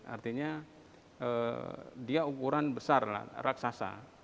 artinya dia ukuran besar lah raksasa